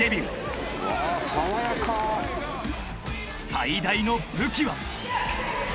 ［最大の武器は］